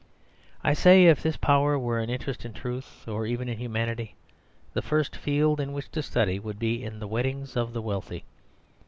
I say, if this power were an interest in truth, or even in humanity, the first field in which to study would be in the weddings of the wealthy.